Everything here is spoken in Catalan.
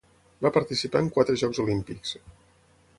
Va participar en quatre Jocs Olímpics.